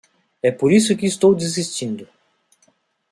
É por isso que estou desistindo.